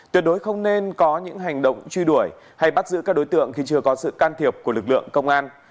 tuyệt đối không nên có những hành động truy đuổi hay bắt giữ các đối tượng khi chưa có sự can thiệp của lực lượng công an